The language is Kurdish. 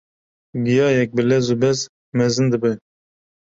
giyayek bi lez û bez mezin dibe.